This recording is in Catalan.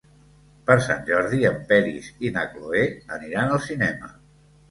Per Sant Jordi en Peris i na Cloè aniran al cinema.